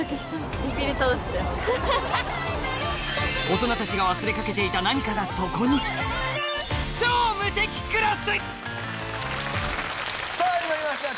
大人たちが忘れかけていた何かがそこにさぁ始まりました